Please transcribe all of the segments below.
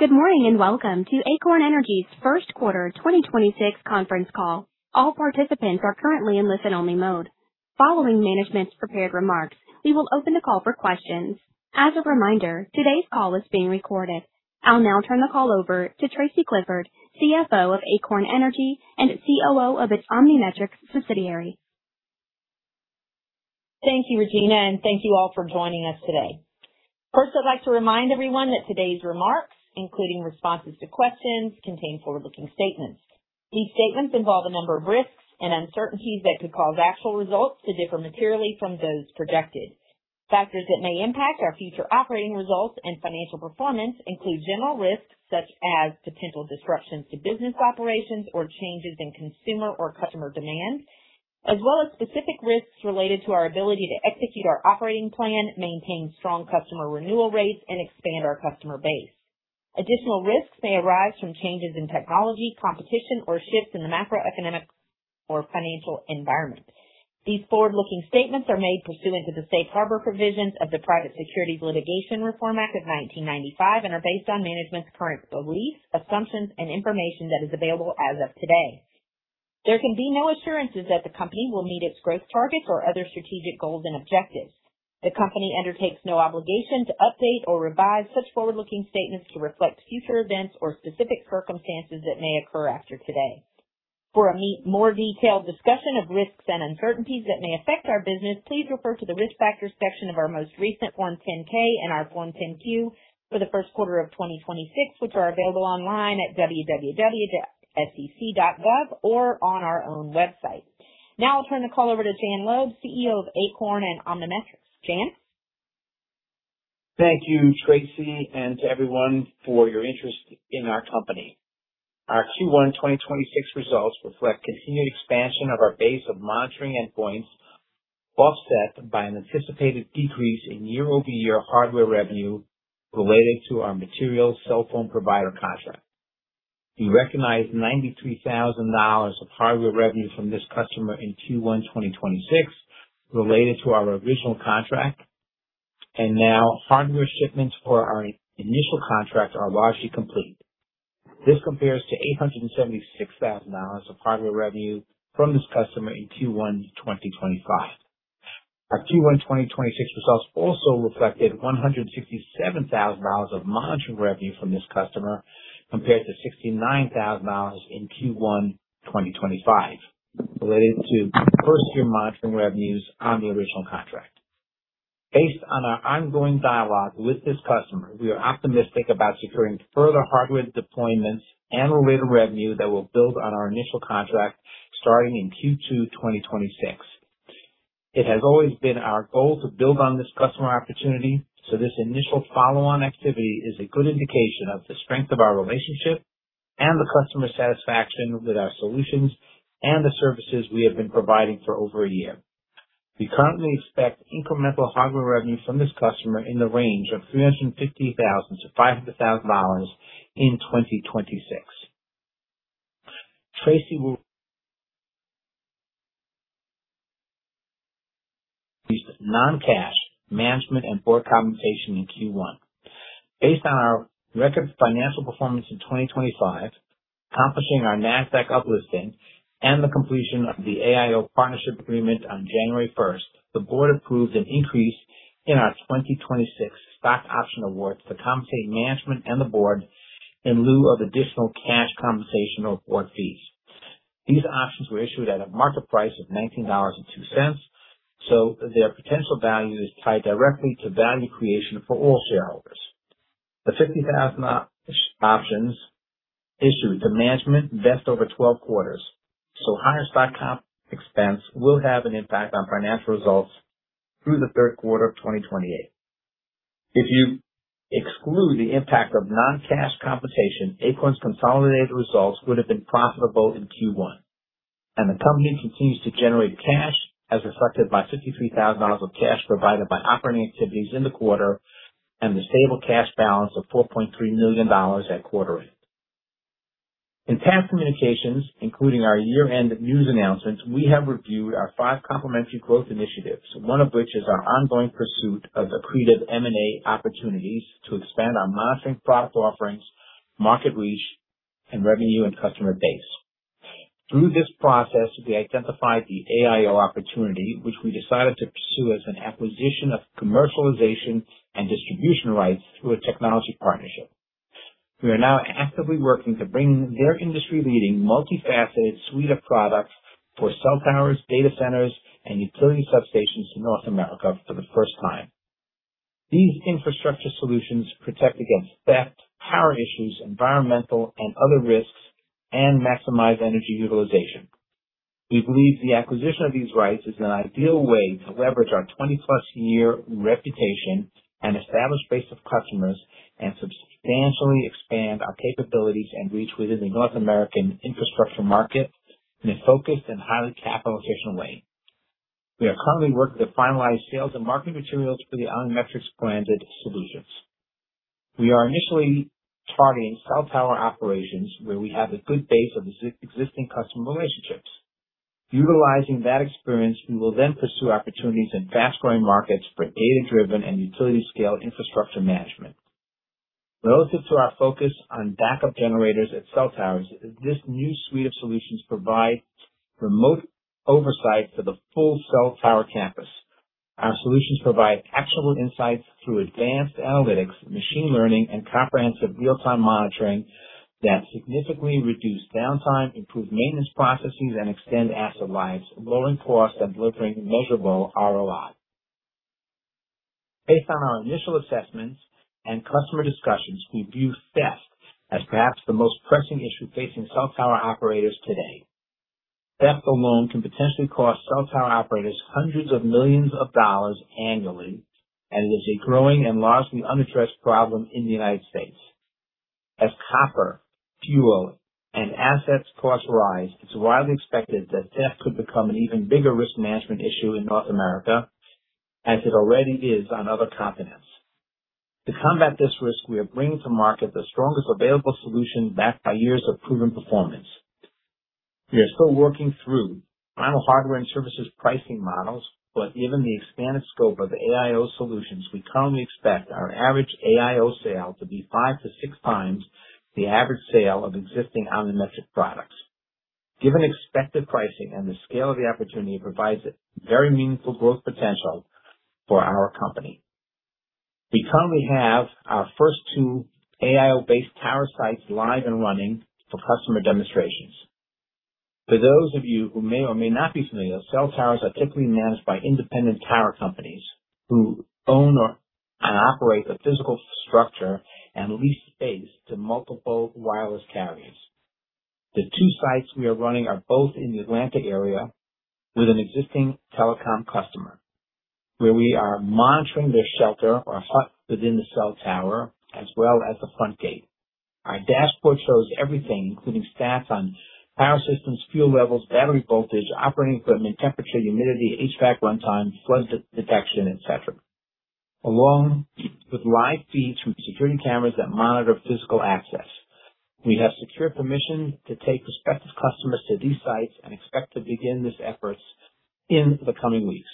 Good morning, welcome to Acorn Energy's first quarter 2026 conference call. All participants are currently in listen-only mode. Following management's prepared remarks, we will open the call for questions. As a reminder, today's call is being recorded. I'll now turn the call over to Tracy Clifford, CFO of Acorn Energy and COO of its OmniMetrix subsidiary. Thank you, Regina, and thank you all for joining us today. First, I'd like to remind everyone that today's remarks, including responses to questions, contain forward-looking statements. These statements involve a number of risks and uncertainties that could cause actual results to differ materially from those projected. Factors that may impact our future operating results and financial performance include general risks such as potential disruptions to business operations or changes in consumer or customer demand, as well as specific risks related to our ability to execute our operating plan, maintain strong customer renewal rates, and expand our customer base. Additional risks may arise from changes in technology, competition, or shifts in the macroeconomic or financial environment. These forward-looking statements are made pursuant to the safe harbor provisions of the Private Securities Litigation Reform Act of 1995 and are based on management's current beliefs, assumptions, and information that is available as of today. There can be no assurances that the company will meet its growth targets or other strategic goals and objectives. The company undertakes no obligation to update or revise such forward-looking statements to reflect future events or specific circumstances that may occur after today. For a more detailed discussion of risks and uncertainties that may affect our business, please refer to the Risk Factors section of our most recent Form 10-K and our Form 10-Q for the first quarter of 2026, which are available online at www.sec.gov or on our own website. Now, I'll turn the call over to Jan Loeb, CEO of Acorn and OmniMetrix. Jan? Thank you, Tracy, and to everyone for your interest in our company. Our Q1 2026 results reflect continued expansion of our base of monitoring endpoints, offset by an anticipated decrease in year-over-year hardware revenue related to our material cell phone provider contract. We recognized $93,000 of hardware revenue from this customer in Q1 2026 related to our original contract, and now hardware shipments for our initial contract are largely complete. This compares to $876,000 of hardware revenue from this customer in Q1 2025. Our Q1 2026 results also reflected $167,000 of monitoring revenue from this customer, compared to $69,000 in Q1 2025, related to first year monitoring revenues on the original contract. Based on our ongoing dialogue with this customer, we are optimistic about securing further hardware deployments and related revenue that will build on our initial contract starting in Q2 2026. It has always been our goal to build on this customer opportunity, so this initial follow-on activity is a good indication of the strength of our relationship and the customer satisfaction with our solutions and the services we have been providing for over a year. We currently expect incremental hardware revenue from this customer in the range of $350,000-$500,000 in 2026. Tracy will... non-cash management and board compensation in Q1. Based on our record financial performance in 2025, accomplishing our Nasdaq up-listing and the completion of the AIO partnership agreement on January first, the board approved an increase in our 2026 stock option awards to compensate management and the board in lieu of additional cash compensation or board fees. These options were issued at a market price of $19.02, so their potential value is tied directly to value creation for all shareholders. The 50,000 options issued to management vest over 12 quarters, so higher stock comp expense will have an impact on financial results through the third quarter of 2028. If you exclude the impact of non-cash compensation, Acorn's consolidated results would have been profitable in Q1, and the company continues to generate cash, as reflected by $53,000 of cash provided by operating activities in the quarter and the stable cash balance of $4.3 million at quarter end. In past communications, including our year-end news announcements, we have reviewed our five complementary growth initiatives, one of which is our ongoing pursuit of accretive M&A opportunities to expand our monitoring product offerings, market reach, and revenue and customer base. Through this process, we identified the AIO opportunity, which we decided to pursue as an acquisition of commercialization and distribution rights through a technology partnership. We are now actively working to bring their industry-leading, multifaceted suite of products for cell towers, data centers, and utility substations to North America for the first time. These Infrastructure Solutions protect against theft, power issues, environmental and other risks, and maximize energy utilization. We believe the acquisition of these rights is an ideal way to leverage our 20+ year reputation and established base of customers and substantially expand our capabilities and reach within the North American infrastructure market in a focused and highly capital-efficient way. We are currently working to finalize sales and marketing materials for the OmniMetrix branded solutions. We are initially targeting cell tower operations where we have a good base of existing customer relationships. Utilizing that experience, we will then pursue opportunities in fast-growing markets for data-driven and utility scale infrastructure management. Relative to our focus on backup generators at cell towers, this new suite of solutions provide remote oversight to the full cell tower campus. Our solutions provide actionable insights through advanced analytics, machine learning, and comprehensive real-time monitoring that significantly reduce downtime, improve maintenance processes, and extend asset lives, lowering costs and delivering measurable ROI. Based on our initial assessments and customer discussions, we view theft as perhaps the most pressing issue facing cell tower operators today. Theft alone can potentially cost cell tower operators hundreds of millions of dollars annually and is a growing and largely unaddressed problem in the United States. As copper, fuel, and assets costs rise, it's widely expected that theft could become an even bigger risk management issue in North America, as it already is on other continents. To combat this risk, we are bringing to market the strongest available solution backed by years of proven performance. We are still working through final hardware and services pricing models, but given the expanded scope of the AIO solutions, we currently expect our average AIO sale to be 5-6x the average sale of existing OmniMetrix products. Given expected pricing and the scale of the opportunity provides a very meaningful growth potential for our company. We currently have our first two AIO-based tower sites live and running for customer demonstrations. For those of you who may or may not be familiar, cell towers are typically managed by independent tower companies who own and operate the physical structure and lease space to multiple wireless carriers. The two sites we are running are both in the Atlanta area with an existing telecom customer, where we are monitoring their shelter or hut within the cell tower, as well as the front gate. Our dashboard shows everything, including stats on power systems, fuel levels, battery voltage, operating equipment, temperature, humidity, HVAC runtime, flood detection, et cetera, along with live feeds from security cameras that monitor physical access. We have secure permission to take prospective customers to these sites and expect to begin these efforts in the coming weeks.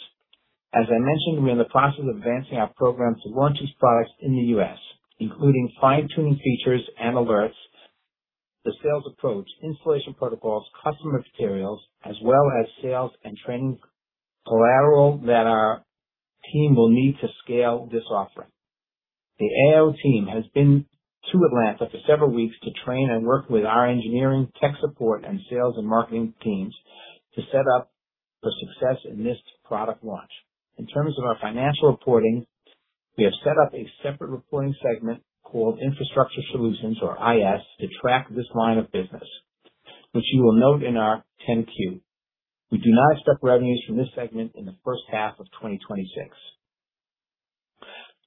As I mentioned, we're in the process of advancing our program to launch these products in the U.S., including fine-tuning features and alerts, the sales approach, installation protocols, customer materials, as well as sales and training collateral that our team will need to scale this offering. The AIO team has been to Atlanta for several weeks to train and work with our engineering, tech support, and sales and marketing teams to set up for success in this product launch. In terms of our financial reporting, we have set up a separate reporting segment called Infrastructure Solutions or IS to track this line of business, which you will note in our Form 10-Q. We do not expect revenues from this segment in the first half of 2026.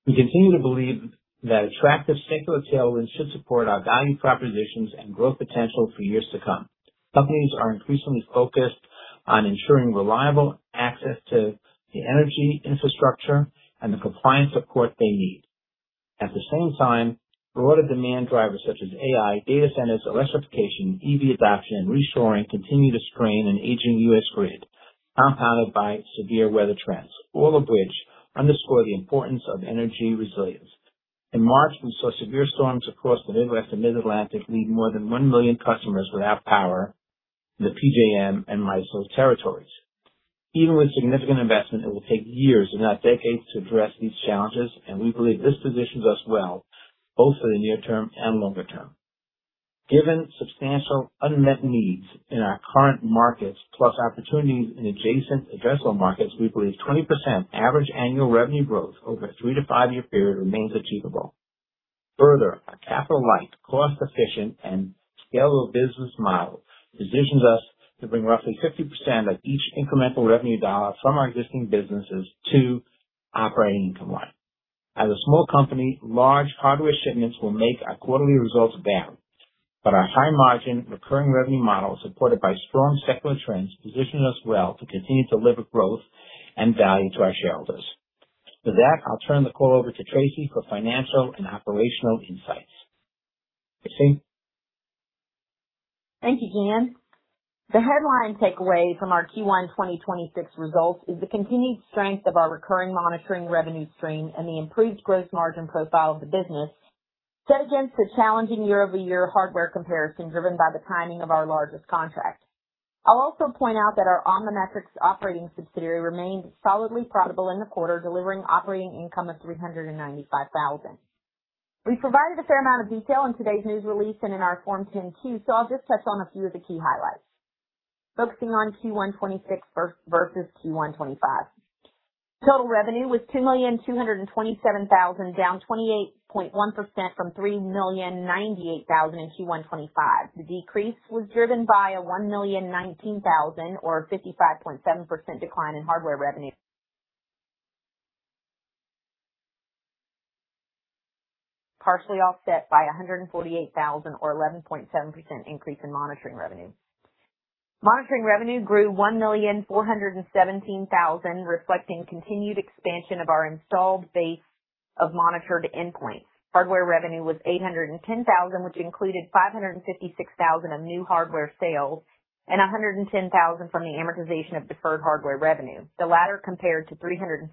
We continue to believe that attractive secular tailwinds should support our value propositions and growth potential for years to come. Companies are increasingly focused on ensuring reliable access to the energy infrastructure and the compliance support they need. At the same time, broader demand drivers such as AI, data centers, electrification, EV adoption, reshoring continue to strain an aging U.S. grid, compounded by severe weather trends, all of which underscore the importance of energy resilience. In March, we saw severe storms across the Midwest and Mid-Atlantic, leaving more than 1 million customers without power in the PJM and MISO territories. Even with significant investment, it will take years, if not decades, to address these challenges, and we believe this positions us well both for the near term and longer term. Given substantial unmet needs in our current markets plus opportunities in adjacent addressable markets, we believe 20% average annual revenue growth over a three- to five-year period remains achievable. Further, our capital-light, cost-efficient, and scalable business model positions us to bring roughly 50% of each incremental revenue dollar from our existing businesses to operating income line. As a small company, large hardware shipments will make our quarterly results vary, but our high margin recurring revenue model, supported by strong secular trends, position us well to continue to deliver growth and value to our shareholders. With that, I'll turn the call over to Tracy for financial and operational insights. Tracy? Thank you, Jan Loeb. The headline takeaway from our Q1 2026 results is the continued strength of our recurring monitoring revenue stream and the improved gross margin profile of the business set against a challenging year-over-year hardware comparison driven by the timing of our largest contract. I'll also point out that our OmniMetrix operating subsidiary remained solidly profitable in the quarter, delivering operating income of $395,000. We provided a fair amount of detail in today's news release and in our Form 10-Q, so I'll just touch on a few of the key highlights. Focusing on Q1 2026 versus Q1 2025. Total revenue was $2,227,000, down 28.1% from $3,098,000 in Q1 2025. The decrease was driven by a $1,019,000 or 55.7% decline in hardware revenue. Partially offset by a $148,000 or 11.7% increase in monitoring revenue. Monitoring revenue grew $1,417,000, reflecting continued expansion of our installed base of monitored endpoints. Hardware revenue was $810,000, which included $556,000 of new hardware sales and $110,000 from the amortization of deferred hardware revenue. The latter compared to $315,000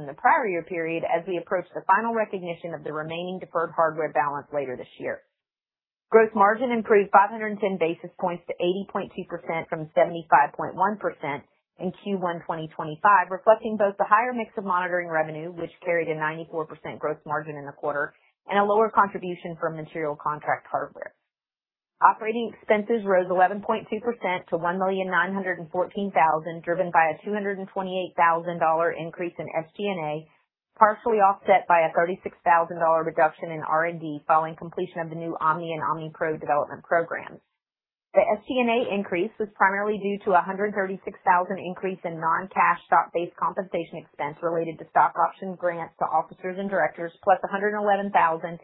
in the prior year period as we approach the final recognition of the remaining deferred hardware balance later this year. Gross margin improved 510 basis points to 80.2% from 75.1% in Q1 2025, reflecting both the higher mix of monitoring revenue, which carried a 94% gross margin in the quarter, and a lower contribution from material contract hardware. Operating expenses rose 11.2% to $1,914,000, driven by a $228,000 increase in SG&A, partially offset by a $36,000 reduction in R&D following completion of the new OMNI and OMNIPRO development programs. The SG&A increase was primarily due to a $136,000 increase in non-cash stock-based compensation expense related to stock option grants to officers and directors, +$111,000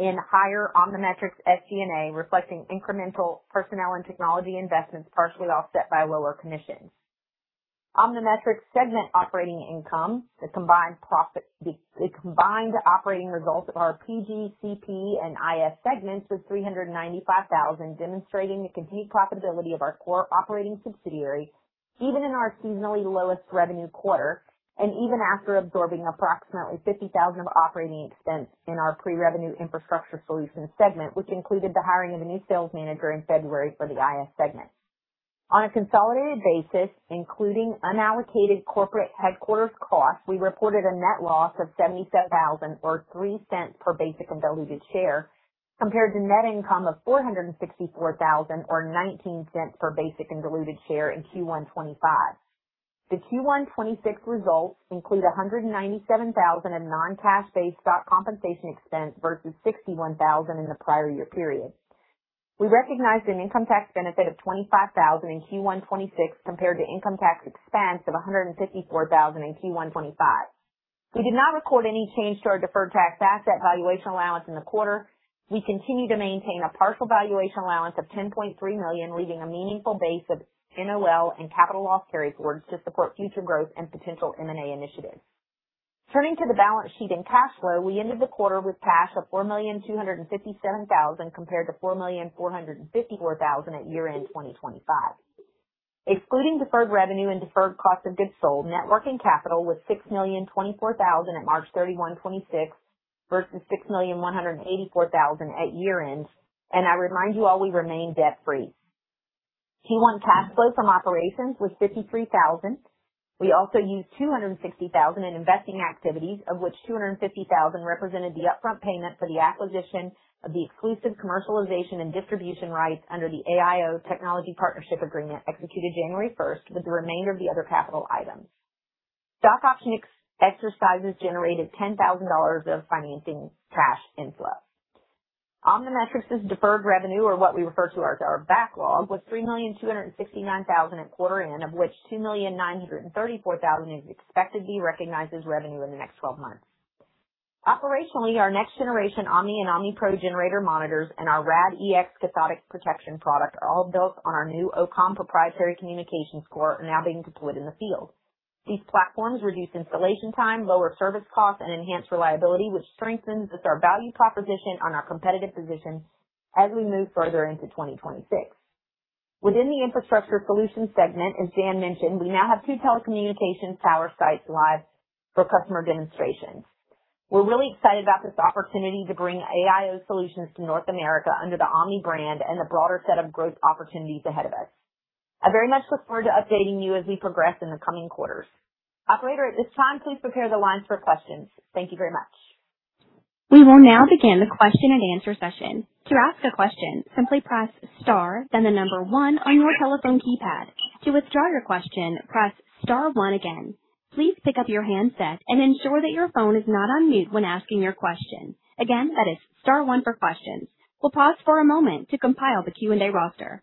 in higher OmniMetrix SG&A, reflecting incremental personnel and technology investments, partially offset by lower commissions. OmniMetrix segment operating income, the combined operating results of our PG, CP, and IS segments was $395,000, demonstrating the continued profitability of our core operating subsidiary, even in our seasonally lowest revenue quarter and even after absorbing approximately $50,000 of operating expense in our pre-revenue Infrastructure Solutions segment, which included the hiring of a new sales manager in February for the IS segment. On a consolidated basis, including unallocated corporate headquarters costs, we reported a net loss of $77,000 or $0.03 per basic and diluted share, compared to net income of $464,000 or $0.19 per basic and diluted share in Q1 2025. The Q1 2026 results include $197,000 of non-cash-based stock compensation expense versus $61,000 in the prior year period. We recognized an income tax benefit of $25,000 in Q1 2026 compared to income tax expense of $154,000 in Q1 2025. We did not record any change to our deferred tax asset valuation allowance in the quarter. We continue to maintain a partial valuation allowance of $10.3 million, leaving a meaningful base of NOL and capital loss carryforwards to support future growth and potential M&A initiatives. Turning to the balance sheet and cash flow, we ended the quarter with cash of $4,257,000 compared to $4,454,000 at year-end 2025. Excluding deferred revenue and deferred cost of goods sold, net working capital was $6,024,000 at March 31, 2026 versus $6,184,000 at year-end. I remind you all, we remain debt-free. Q1 cash flow from operations was $53,000. We also used $260,000 in investing activities, of which $250,000 represented the upfront payment for the acquisition of the exclusive commercialization and distribution rights under the AIO technology partnership agreement executed January 1st with the remainder of the other capital items. Stock option exercises generated $10,000 of financing cash inflow. OmniMetrix's deferred revenue, or what we refer to as our backlog, was $3,269,000 at quarter end, of which $2,934,000 is expected to be recognized as revenue in the next 12 months. Operationally, our next generation OMNI and OMNIPRO generator monitors and our RadEX cathodic protection product are all built on our new OCOM proprietary communications core now being deployed in the field. These platforms reduce installation time, lower service costs, and enhance reliability, which strengthens our value proposition on our competitive position as we move further into 2026. Within the Infrastructure Solutions segment, as Jan mentioned, we now have two telecommunications tower sites live for customer demonstrations. We're really excited about this opportunity to bring AIO Systems solutions to North America under the OMNI brand and the broader set of growth opportunities ahead of us. I very much look forward to updating you as we progress in the coming quarters. Operator, at this time, please prepare the lines for questions. Thank you very much. We will now begin the question-and-answer session. To ask a question, simply press star then the number one on your telephone keypad. To withdraw your question, press star one again. Please pick up your handset and ensure that your phone is not on mute when asking your question. Again, that is star one for questions. We'll pause for a moment to compile the Q&A roster.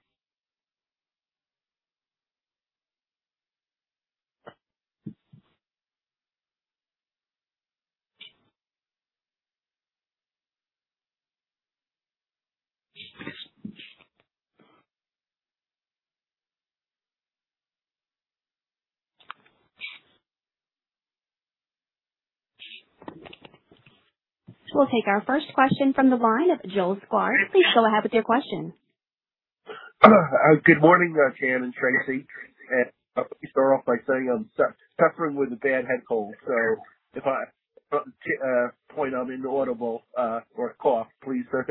We'll take our first question from the line of Joel Sklar. Please go ahead with your question. Good morning, Jan and Tracy. Let me start off by saying I'm suffering with a bad head cold. If I at any point I'm inaudible or cough, please let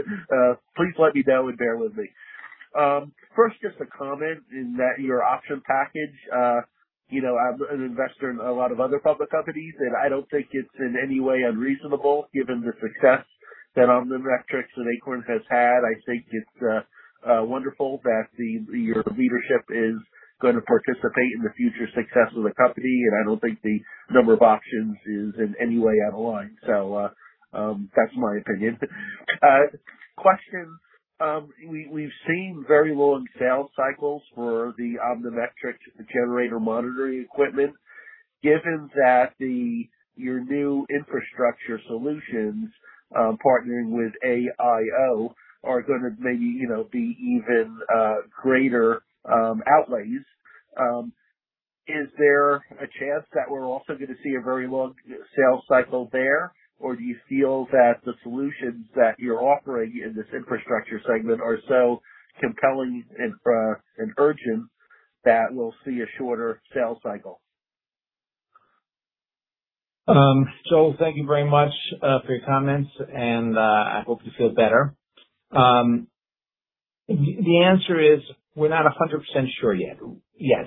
me know and bear with me. First, just a comment in that your option package, you know, I'm an investor in a lot of other public companies, and I don't think it's in any way unreasonable given the success that OmniMetrix and Acorn has had. I think it's wonderful that the, your leadership is gonna participate in the future success of the company, and I don't think the number of options is in any way out of line. That's my opinion. Question. We've seen very long sales cycles for the OmniMetrix generator monitoring equipment. Given that the, your new Infrastructure Solutions, partnering with AIO are gonna maybe, you know, be even greater outlays. Is there a chance that we're also gonna see a very long sales cycle there? Or do you feel that the solutions that you're offering in this Infrastructure segment are so compelling and urgent that we'll see a shorter sales cycle? Joel, thank you very much for your comments and I hope you feel better. The answer is we're not 100% sure yet. Yes.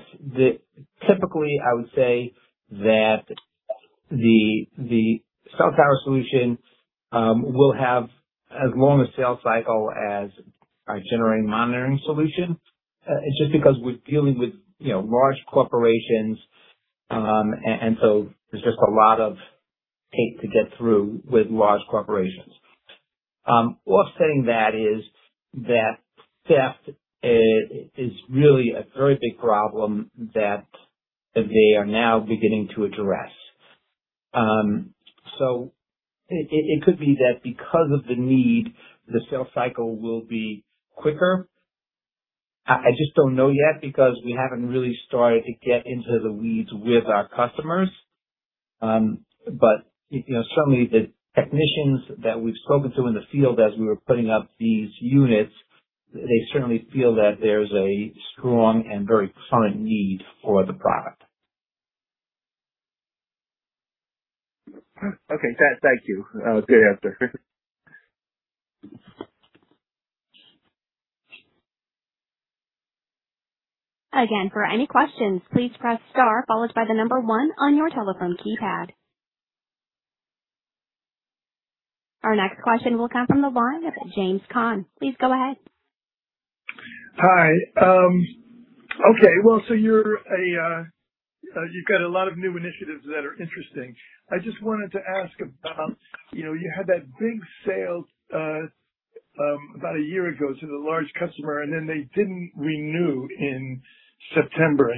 Typically, I would say that the cell tower solution will have as long a sales cycle as our generating monitoring solution. It's just because we're dealing with, you know, large corporations, and so there's just a lot of tape to get through with large corporations. All saying that is that theft is really a very big problem that they are now beginning to address. It could be that because of the need, the sales cycle will be quicker. I just don't know yet because we haven't really started to get into the weeds with our customers. You know, certainly the technicians that we've spoken to in the field as we were putting up these units, they certainly feel that there's a strong and very present need for the product. Okay. Thank you. Good answer. Again, for any questions, please press star followed by one on your telephone keypad. Our next question will come from the line of James Kahn. Please go ahead. Hi. Okay. Well, you've got a lot of new initiatives that are interesting. I just wanted to ask about, you know, you had that big sale, about a year ago to the large customer, and then they didn't renew in September.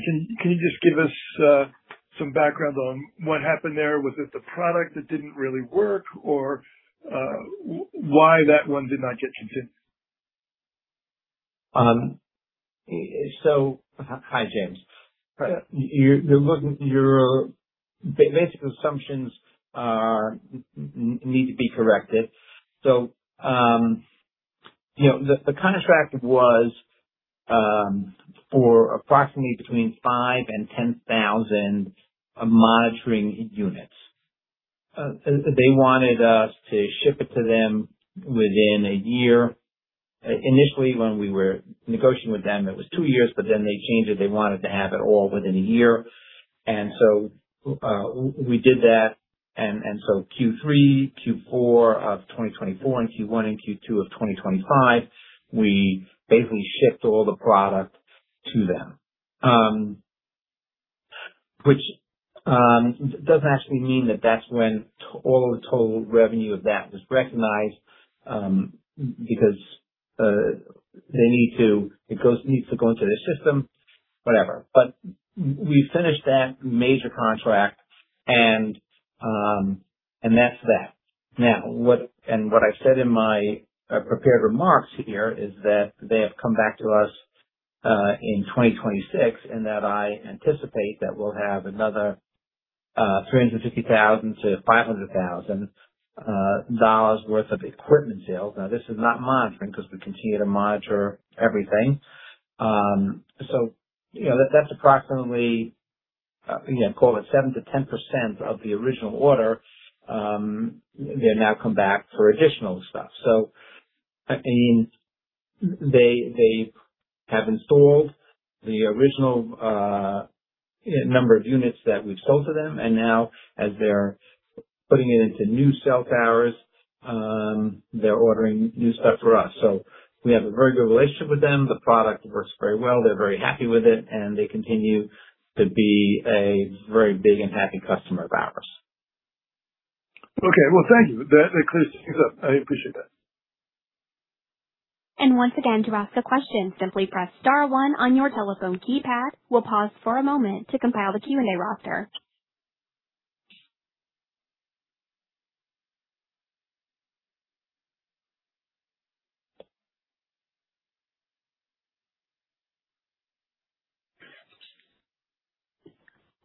Can you just give us some background on what happened there? Was it the product that didn't really work or, why that one did not get renewed? Hi, James. Your basic assumptions are, need to be corrected. You know, the contract was for approximately between 5,000 and 10,000 monitoring units. They wanted us to ship it to them within a year. Initially, when we were negotiating with them, it was two years, but then they changed it. They wanted to have it all within a year. We did that. Q3, Q4 of 2024 and Q1 and Q2 of 2025, we basically shipped all the product to them. Which doesn't actually mean that that's when all the total revenue of that was recognized, because needs to go into their system, whatever. We finished that major contract, and that's that. What I've said in my prepared remarks here is that they have come back to us in 2026, and that I anticipate that we'll have another $350,000-$500,000 worth of equipment sales. This is not monitoring because we continue to monitor everything. You know, that's approximately, you know, call it 7%-10% of the original order, they now come back for additional stuff. I mean, they have installed the original number of units that we've sold to them, and now as they're putting it into new cell towers, they're ordering new stuff for us. We have a very good relationship with them. The product works very well. They're very happy with it, and they continue to be a very big and happy customer of ours. Okay. Well, thank you. That clears things up. I appreciate that. Once again, to ask a question, simply press star one on your telephone keypad. We will pause for a moment to compile the Q&A roster.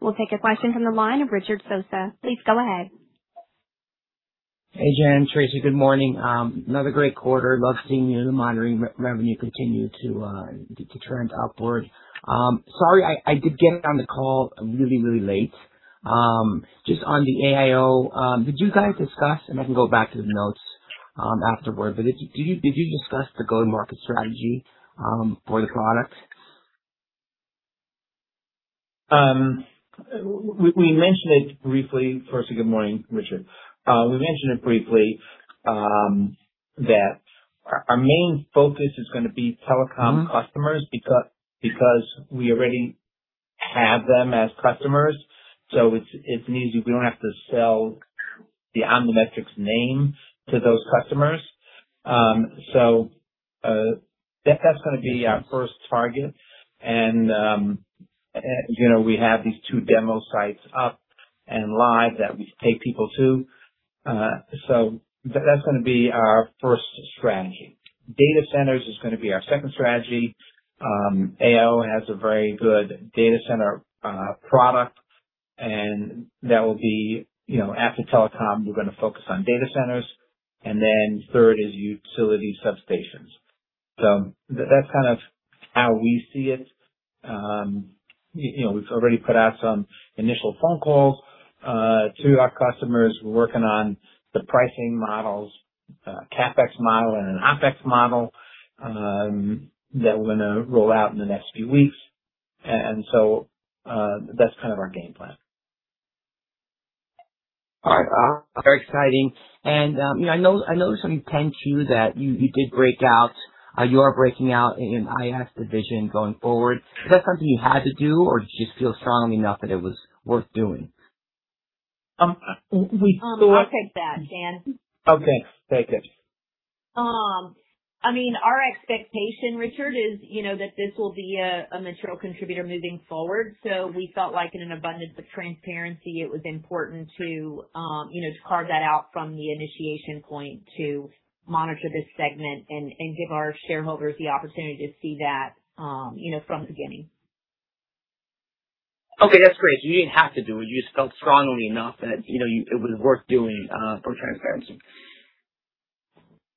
We will take a question from the line of Richard Sosa. Please go ahead. Hey, Jan, Tracy. Good morning. Another great quarter. Love seeing the monitoring re-revenue continue to trend upward. Sorry I did get on the call really late. Just on the AIO, did you guys discuss, and I can go back to the notes afterward, but did you discuss the go-to-market strategy for the product? We mentioned it briefly. Firstly, good morning, Richard. We mentioned it briefly that our main focus is gonna be telecom- customers because we already have them as customers, so we don't have to sell the OmniMetrix name to those customers. That's gonna be our first target. You know, we have these two demo sites up and live that we take people to. That's gonna be our first strategy. Data centers is gonna be our second strategy. AIO has a very good data center product, and that will be, you know, after telecom, we're gonna focus on data centers. Third is utility substations. That's kind of how we see it. You know, we've already put out some initial phone calls to our customers. We're working on the pricing models, CapEx model and an OpEx model that we're gonna roll out in the next few weeks. That's kind of our game plan. All right. Very exciting. You know, I noticed from the 10-Q that you did break out, you are breaking out an IS division going forward. Is that something you had to do, or did you just feel strongly enough that it was worth doing? Um, we thought- I'll take that, Jan Loeb. Oh, thanks. Thank you. I mean, our expectation, Richard, is, you know, that this will be a material contributor moving forward. We felt like in an abundance of transparency, it was important to, you know, to carve that out from the initiation point to monitor this segment and give our shareholders the opportunity to see that, you know, from the beginning. Okay, that's great. You didn't have to do it. You just felt strongly enough that, you know, it was worth doing for transparency.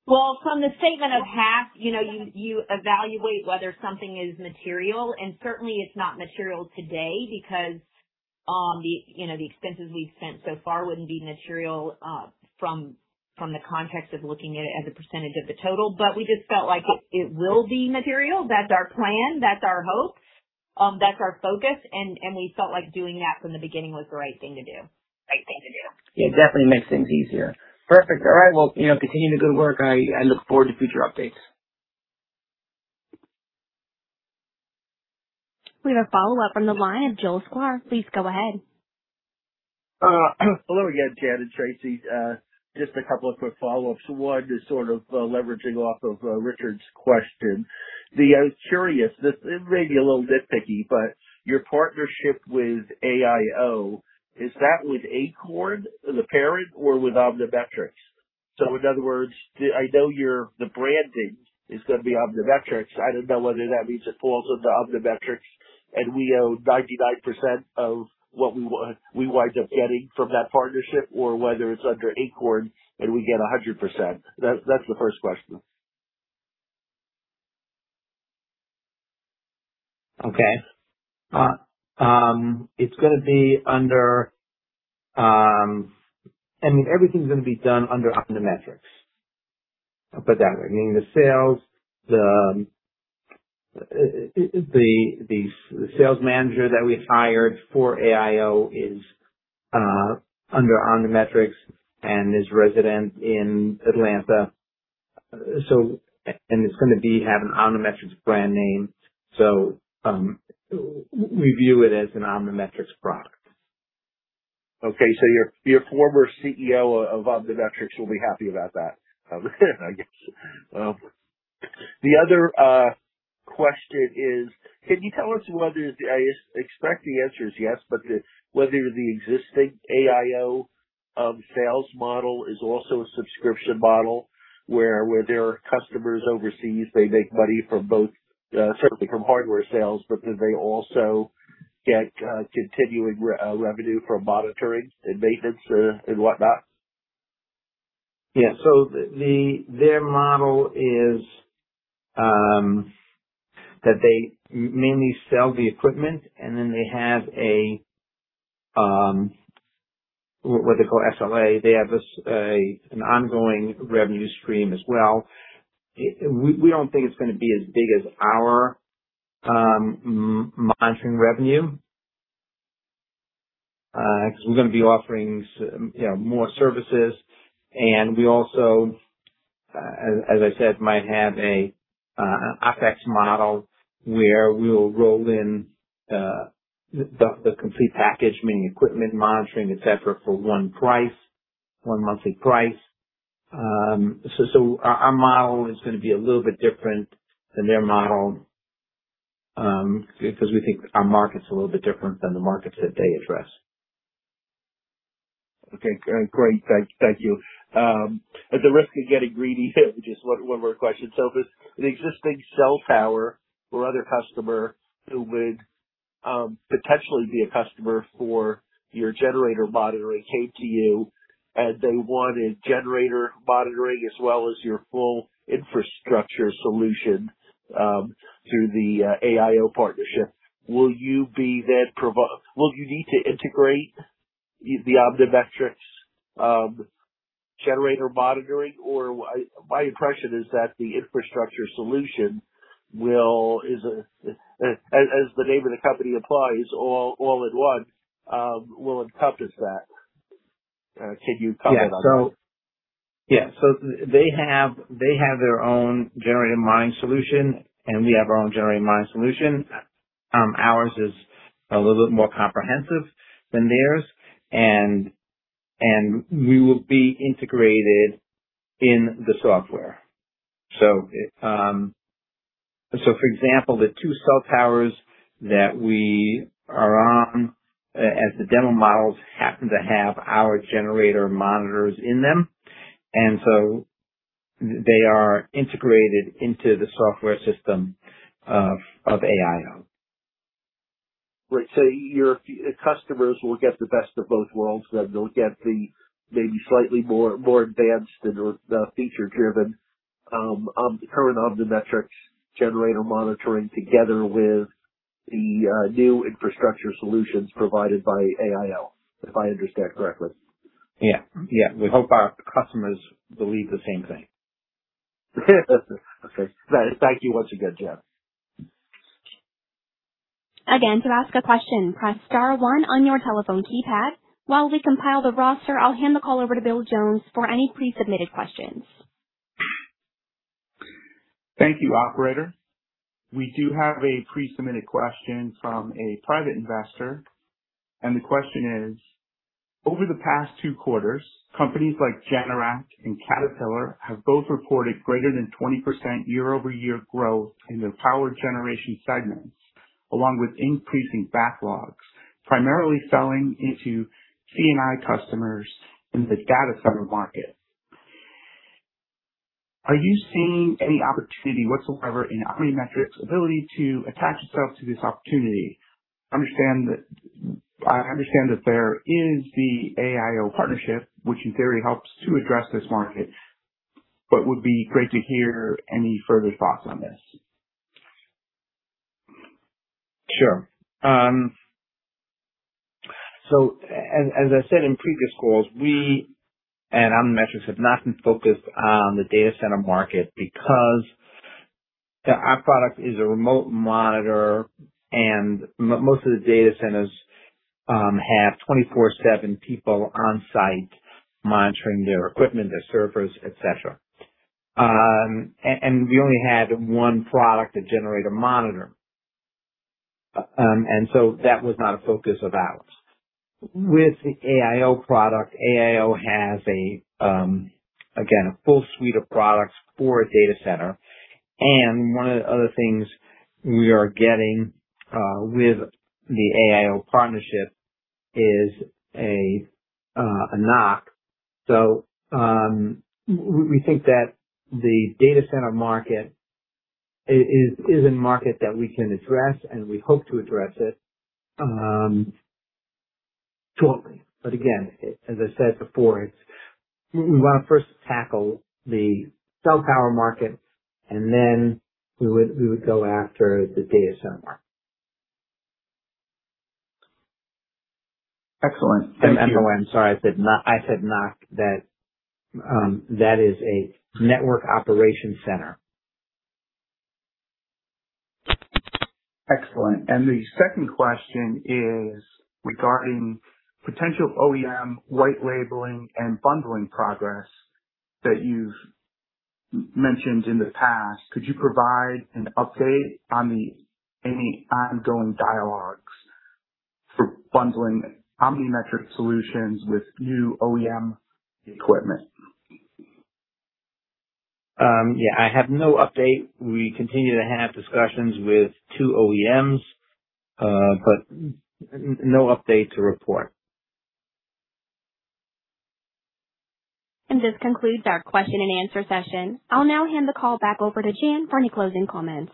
Well, from the standpoint of GAAP, you know, you evaluate whether something is material, and certainly it's not material today because, you know, the expenses we've spent so far wouldn't be material from the context of looking at it as a percentage of the total. We just felt like it will be material. That's our plan, that's our hope, that's our focus. We felt like doing that from the beginning was the right thing to do. Yeah, it definitely makes things easier. Perfect. All right. Well, you know, continue the good work. I look forward to future updates. We have a follow-up from the line. Joel Sklar, please go ahead. Hello again, Jan and Tracy. Just a couple of quick follow-ups. One is sort of leveraging off of Richard Sosa's question. See, I was curious, this may be a little nitpicky, but your partnership with AIO Systems, is that with Acorn, the parent, or with OmniMetrix? In other words, I know the branding is gonna be OmniMetrix. I don't know whether that means it falls under OmniMetrix, and we own 99% of what we wind up getting from that partnership, or whether it's under Acorn and we get 100%. That's the first question. I mean, everything's gonna be done under OmniMetrix. I'll put it that way. Meaning the sales, the sales manager that we hired for AIO is under OmniMetrix and is resident in Atlanta. It's gonna be, have an OmniMetrix brand name. We view it as an OmniMetrix product. Your former CEO of OmniMetrix will be happy about that, I guess. The other question is, can you tell us whether I expect the answer is yes, but whether the existing AIO sales model is also a subscription model where their customers overseas, they make money from both, certainly from hardware sales, but then they also get continuing revenue from monitoring and maintenance, and whatnot. Their model is that they mainly sell the equipment, and then they have a what they call SLA. They have this an ongoing revenue stream as well. We don't think it's gonna be as big as our monitoring revenue, 'cause we're gonna be offering you know, more services. We also, as I said, might have a OpEx model where we'll roll in the complete package, meaning equipment monitoring, et cetera, for one price, one monthly price. Our model is gonna be a little bit different than their model, because we think our market's a little bit different than the markets that they address. Okay, great. Thank you. At the risk of getting greedy here, just one more question. If an existing cell tower or other customer who would potentially be a customer for your generator monitoring came to you, and they wanted generator monitoring as well as your full Infrastructure Solutions, through the AIO partnership, will you be then Will you need to integrate the OmniMetrix generator monitoring? My impression is that the Infrastructure Solutions will, is, as the name of the company implies All In One, will encompass that. Can you comment on that? Yeah. They have their own generator monitoring solution, and we have our own generator monitoring solution. Ours is a little bit more comprehensive than theirs. We will be integrated in the software. For example, the two cell towers that we are on as the demo models happen to have our generator monitors in them, and so they are integrated into the software system of AIO. Right. Your customers will get the best of both worlds then. They'll get the maybe slightly more advanced and or the feature-driven, current OmniMetrix generator monitoring together with the new Infrastructure Solutions provided by AIO, if I understand correctly. Yeah. Yeah. We hope our customers believe the same thing. Okay. Thank you once again, Jan. Again, to ask a question, press star one on your telephone keypad. While we compile the roster, I will hand the call over to William Jones for any pre-submitted questions. Thank you, operator. We do have a pre-submitted question from a private investor, and the question is: Over the past two quarters, companies like Generac and Caterpillar have both reported greater than 20% year-over-year growth in their power generation segments, along with increasing backlogs, primarily selling into C&I customers in the data center market. Are you seeing any opportunity whatsoever in OmniMetrix's ability to attach itself to this opportunity? I understand that there is the AIO partnership, which in theory helps to address this market, but would be great to hear any further thoughts on this. Sure. As I said in previous calls, we and OmniMetrix have not been focused on the data center market because our product is a remote monitor, and most of the data centers have 24/7 people on-site monitoring their equipment, their servers, etc. We only had 1 product, a generator monitor. That was not a focus of ours. With the AIO product, AIO has a full suite of products for a data center, and one of the other things we are getting with the AIO partnership is a NOC. We think that the data center market is a market that we can address, and we hope to address it shortly. Again, as I said before, we want to first tackle the cell tower market, then we would go after the data center market. Excellent. Thank you. By the way, I'm sorry I said NOC. I said NOC. That is a network operations center. Excellent. The second question is regarding potential OEM white labeling and bundling progress that you've mentioned in the past. Could you provide an update on any ongoing dialogues for bundling OmniMetrix solutions with new OEM equipment? Yeah, I have no update. We continue to have discussions with two OEMs, but no update to report. This concludes our question and answer session. I'll now hand the call back over to Jan for any closing comments.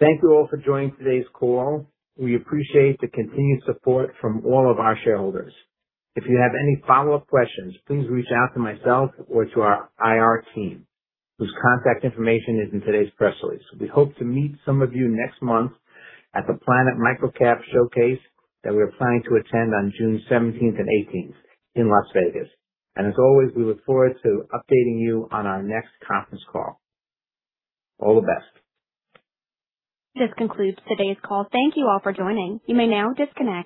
Thank you all for joining today's call. We appreciate the continued support from all of our shareholders. If you have any follow-up questions, please reach out to myself or to our IR team, whose contact information is in today's press release. We hope to meet some of you next month at the Planet MicroCap Showcase that we're planning to attend on June 17th and 18th in Las Vegas. As always, we look forward to updating you on our next conference call. All the best. This concludes today's call. Thank you all for joining. You may now disconnect.